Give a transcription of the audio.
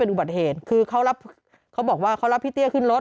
อุบัติเหตุคือเขารับเขาบอกว่าเขารับพี่เตี้ยขึ้นรถ